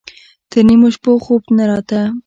تر نيمو شپو خوب نه راته.